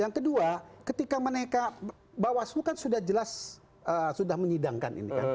yang kedua ketika mereka bawaslu kan sudah jelas sudah menyidangkan ini kan